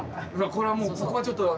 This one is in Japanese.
これはもうここはちょっと。